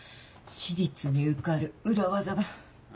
私立に受かる裏技が。